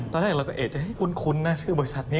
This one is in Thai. ตอนแรกเราก็เอกใจคุ้นนะชื่อบริษัทนี้